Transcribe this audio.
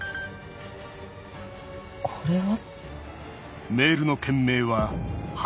これは。